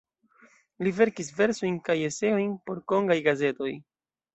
Li verkis versojn kaj eseojn por Kongaj gazetoj.